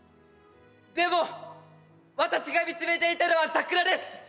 でも私が見つめていたのは桜です。